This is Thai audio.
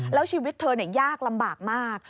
แล้วชีวิตเธอยากลำบากมาก